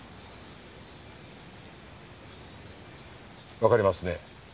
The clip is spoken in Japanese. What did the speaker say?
わかりますね。